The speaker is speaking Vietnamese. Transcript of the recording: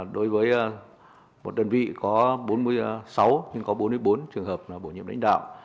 đối với một đơn vị có bốn mươi sáu nhưng có bốn mươi bốn trường hợp bổ nhiệm đánh đạo